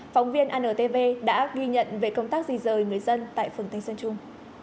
phóng viên antv đã ghi nhận về công tác di rời người dân tại phường thanh xuân trung